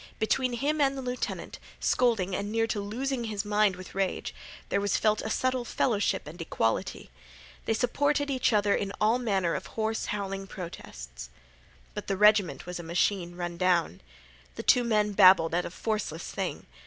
Between him and the lieutenant, scolding and near to losing his mind with rage, there was felt a subtle fellowship and equality. They supported each other in all manner of hoarse, howling protests. But the regiment was a machine run down. The two men babbled at a forceless thing.